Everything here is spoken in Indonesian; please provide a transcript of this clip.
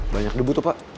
banyak debu tuh pak